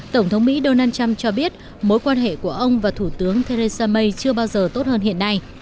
tổng thống mỹ donald trump cho biết mối quan hệ của ông và thủ tướng theresa may chưa bao giờ tốt hơn hiện nay